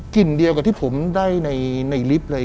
เดียวกับที่ผมได้ในลิฟต์เลย